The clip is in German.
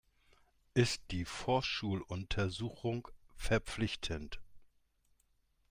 Ist die Vorschuluntersuchung verpflichtend?